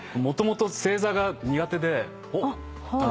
もともと正座が苦手で。